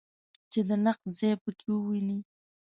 چې د نقد ځای په کې وویني.